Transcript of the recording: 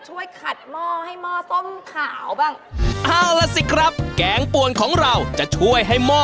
หม้อไหม้ดำปี้เลยโอ้โฮ